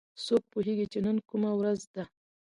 څوک پوهیږي چې نن کومه ورځ ده